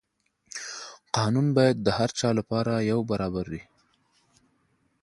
قانون باید د هر چا لپاره یو برابر وي.